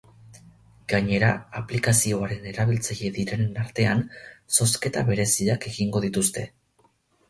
Gainera, aplikazioaren erabiltzaile direnen artean zozketa bereziak egingo dituzte.